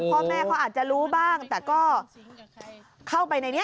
พ่อแม่เขาอาจจะรู้บ้างแต่ก็เข้าไปในนี้